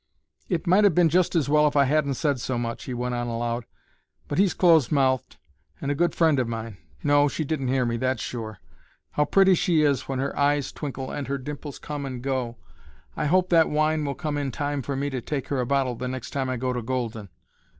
"It might have been just as well if I hadn't said so much," he went on aloud, "but he's close mouthed and a good friend of mine. No, she didn't hear me that's sure. How pretty she is when her eyes twinkle and her dimples come and go! I hope that wine will come in time for me to take her a bottle the next time I go to Golden.